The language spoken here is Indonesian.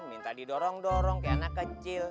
minta didorong dorong kayak anak kecil